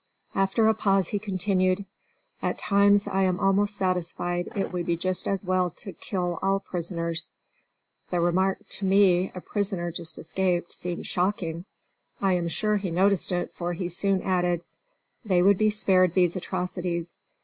After a pause, he continued. "At times, I am almost satisfied it would be just as well to kill all prisoners." The remark, to me, a prisoner just escaped, seemed shocking. I am sure he noticed it, for he soon added: "They would be spared these atrocities.